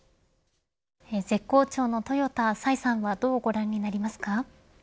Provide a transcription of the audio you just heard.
絶好調のトヨタ崔さんはどうご覧になりますか。